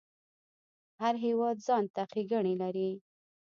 هر هیواد ځانته ښیګڼی لري